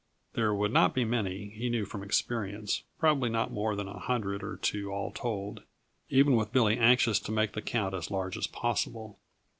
There would not be many, he knew from experience; probably not more than a hundred or two all told, even with Billy anxious to make the count as large as possible.